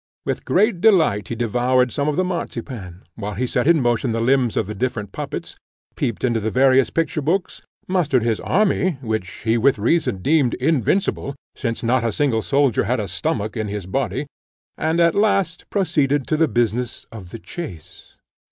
With great delight he devoured some of the marchpane, while he set in motion the limbs of the different puppets, peeped into the various picture books, mustered his army, which he with reason deemed invincible, since not a single soldier had a stomach in his body, and at last proceeded to the business of the chase.